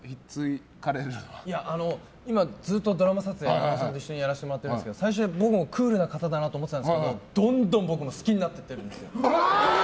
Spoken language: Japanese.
ずっとドラマ撮影を一緒にやらせてもらってるんですけど最初は僕もクールな方だなと思ってたんですけどどんどん僕も好きになってきてる。